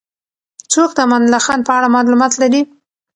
څوک د امان الله خان په اړه معلومات لري؟